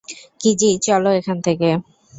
Keiji, চলো এখান থেকে।